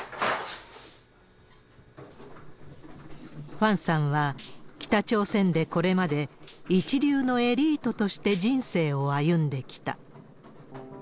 ファンさんは、北朝鮮でこれまで一流のエリートとして人生を歩んできた。